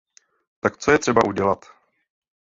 Tak co je třeba udělat?